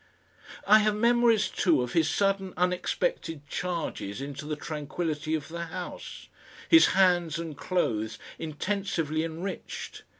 I have memories, too, of his sudden unexpected charges into the tranquillity of the house, his hands and clothes intensively enriched.